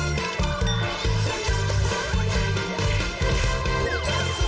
สวัสดีครับ